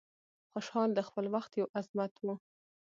خوشحال د خپل وخت یو عظمت و.